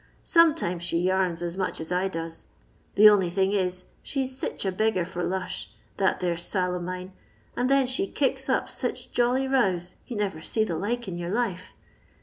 Sometimes she yarns as much as I does ; the only thing is, she 's sitch a beggar for lush, that there Sail of mine, and then she kicks up sitch jolly rows, you niver see the like in your life.